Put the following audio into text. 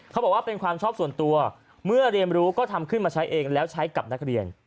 เขาบอกว่าเป็นความชอบส่วนตัวเมื่อเรียนรู้ก็ทำขึ้นมาใช้เองแล้วใช้กับนักเรียน